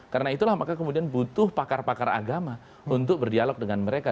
karena itulah maka kemudian butuh pakar pakar agama untuk berdialog dengan mereka